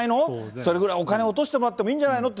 それぐらいお金落としてもらってもいいんじゃないのって、